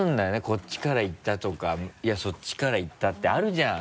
こっちから言ったとかいやそっちから言ったってあるじゃん。